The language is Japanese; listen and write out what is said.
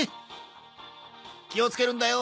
気をつけるんだよ。